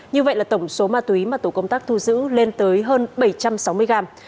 như vậy là tổng số ma túy mà tổ công tác thu giữ lên tới hơn bảy trăm sáu mươi gram